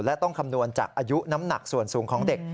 และต้องคำนวณจากอายุน้ำหนักส่วนสูงของเด็ก